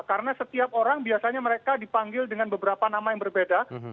karena setiap orang biasanya mereka dipanggil dengan beberapa nama yang berbeda